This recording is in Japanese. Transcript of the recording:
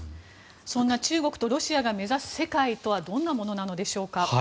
そんな中国とロシアが目指す世界とはどんなものでしょうか。